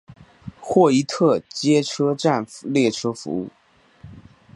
霍伊特街车站列车服务。